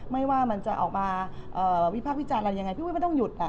ไม่ว่ามันจะออกมาวิพากษ์วิจารณ์อะไรยังไงพี่อุ๊ยไม่ต้องหยุด